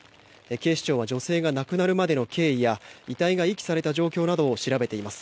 警視庁は女性が亡くなるまでの経緯や遺体が遺棄された状況などを調べています。